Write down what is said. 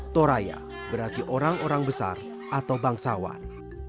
toraya berarti orang orang besar atau bangsawan